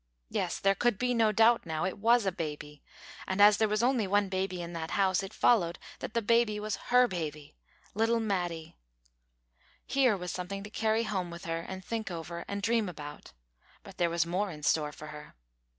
Yes, there could be no doubt now, it was a baby, and as there was only one baby in that house it followed that the baby was her baby little Matty! Here was something to carry home with her, and think over and dream about. But there was more in store for her.